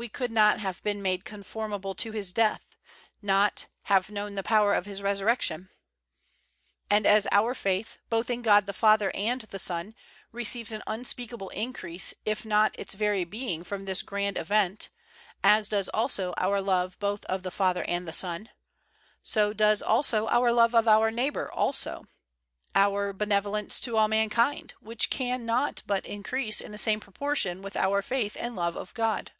We could not have been "made conformable to His death," not "have known the power of His resurrection. '' And as our faith, both in God the Father and the Son, receives an unspeakable increase, if not its very being, from this grand event, as does also our love both of the Father and the Son ; so 176 WESLEY does also our love of our neighbor also, our benev olence to all mankind, which can not but in crease in the same proportion with our faith and love of God.